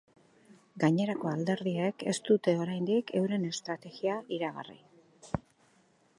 Gainerako alderdiek ez dute oraindik euren estrategia iragarri.